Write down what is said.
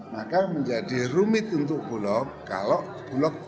maka menjadi rumit untuk bulog kalau bulog